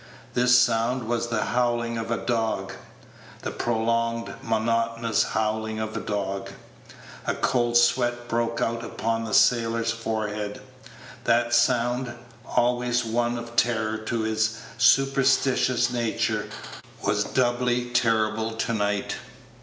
This sound was the howling of a dog the prolonged, monotonous howling of a dog. A cold sweat broke out upon the sailor's forehead. That sound, always one of terror to his superstitious nature, was doubly terrible tonight.